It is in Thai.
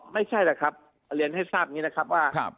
ไม่ใช่แหละครับเรียนให้ทราบอย่างนี้นะครับว่า